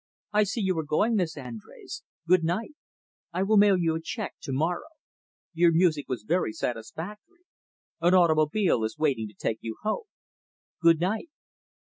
"I see you are going, Miss Andrés. Good night. I will mail you a check to morrow. Your music was very satisfactory. An automobile is waiting to take you home. Good night."